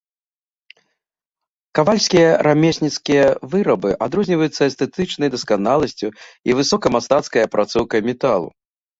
Кавальскія рамесніцкія вырабы адрозніваюцца эстэтычнай дасканаласцю і высокамастацкай апрацоўкай металу.